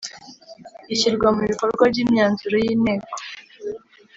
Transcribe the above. ishyirwa mu bikorwa ry’imyanzuro y’inteko